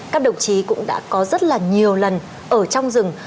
các đồng chí cũng đã có rất là nhiều lần ở trong rừng